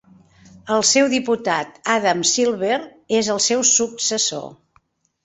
El seu diputat, Adam Silver, és el seu successor.